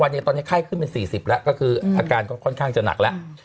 ตอนนี้ตอนนี้ไข้ขึ้นเป็น๔๐แล้วก็คืออาการก็ค่อนข้างจะหนักแล้ว